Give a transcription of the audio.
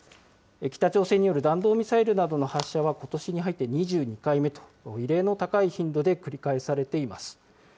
北朝鮮による弾道ミサイルなどの発射はことしに入って２２回目と、異例の高い頻度で繰り返されています。